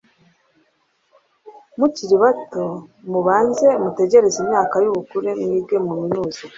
mukiri bato mubanze mutegereze imyaka y ubukure mwige muminuze